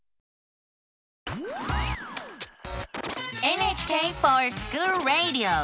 「ＮＨＫｆｏｒＳｃｈｏｏｌＲａｄｉｏ」！